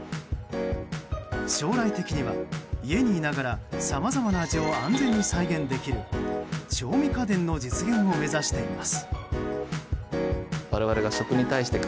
将来的には、家にいながらさまざまな味を安全に再現できる調味家電の実現を目指しています。